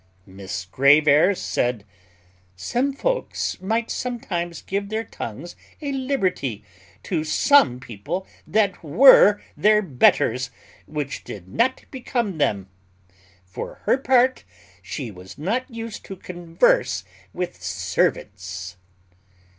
Miss Grave airs said, "Some folks might sometimes give their tongues a liberty, to some people that were their betters, which did not become them; for her part, she was not used to converse with servants."